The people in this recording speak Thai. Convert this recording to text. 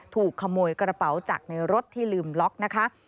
ถูกขโมยกระเป๋าจากในรถที่ลืมล็อกนะคะ